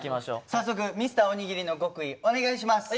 早速Ｍｒ．おにぎりの極意お願いします。